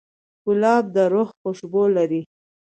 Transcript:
ګلاب د روح خوشبو لري.